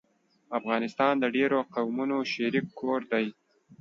افغانستان د ډېرو قومونو شريک کور دی